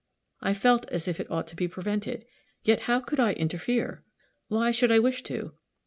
I felt as if it ought to be prevented, yet how could I interfere? Why should I wish to?